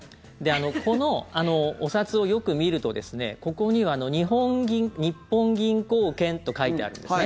このお札をよく見るとここには日本銀行券と書いてあるんですね。